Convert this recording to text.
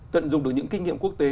tận dụng được những kinh nghiệm quốc tế